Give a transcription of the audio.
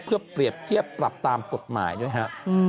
เพื่อเปรียบเทียบปรับตามกฎหมายด้วยฮะ